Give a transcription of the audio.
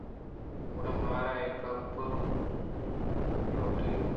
گُڑا مارا اے گَپ پھمگ لوٹ ایت۔